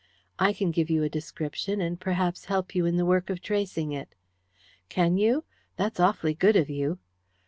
"I can give you a description, and perhaps help you in the work of tracing it." "Can you? That's awfully good of you."